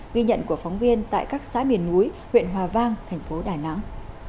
ghi nhận của phóng viên tại các xã miền múi huyện hòa vang thành phố đài nẵng